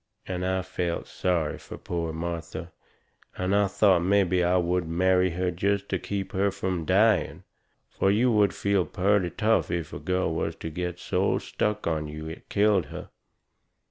And I felt sorry fur poor Martha, and thought mebby I would marry her jest to keep her from dying. Fur you would feel purty tough if a girl was to get so stuck on you it killed her.